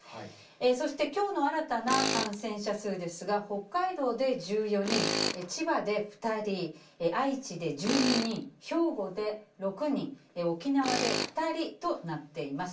そしてきょうの新たな感染者数ですが、北海道で１４人、千葉で２人、愛知で１２人、兵庫で６人、沖縄で２人となっています。